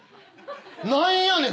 何やねん？